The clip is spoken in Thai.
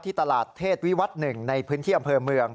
ตลาดเทศวิวัตร๑ในพื้นที่อำเภอเมือง